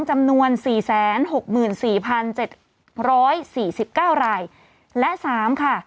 จำนวนสี่แสนหกหมื่นสี่พันเจ็ดร้อยสี่สิบเก้ารายและสามค่ะ